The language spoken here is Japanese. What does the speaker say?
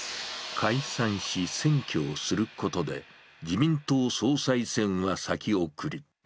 解散し選挙をすることで、自民党総裁選は先送り。